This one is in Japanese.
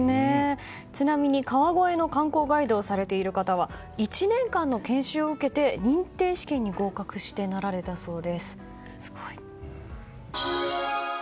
ちなみに川越の観光ガイドをされている方は１年間の研修を受けて認定試験に合格してなられたそうです、すごい。